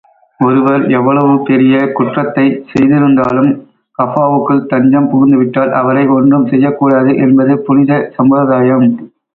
ஒருவர் எவ்வளவு பெரிய குற்றத்தைச் செய்திருந்தாலும், கஃபாவுக்குள் தஞ்சம் புகுந்துவிட்டால், அவரை ஒன்றும் செய்யக்கூடாது என்பது புனித சம்பிரதாயம்.